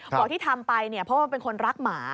บอกที่ทำไปเนี่ยเพราะว่าเป็นคนรักหมา